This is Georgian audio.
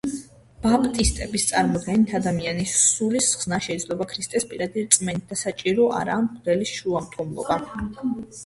ბაპტისტების წარმოდგენით ადამიანის სულის ხსნა შეიძლება ქრისტეს პირადი რწმენით და საჭირო არაა მღვდელის შუამდგომლობა.